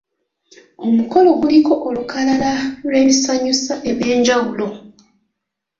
Omukolo guliko olukalala lw'ebisanyusa eby'enjawulo.